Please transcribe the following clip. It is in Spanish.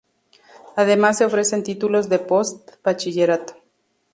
Además se ofrecen títulos de post-bachillerato.